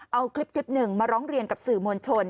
เอาคลิปหนึ่งมาร้องเรียนกับสื่อมวลชน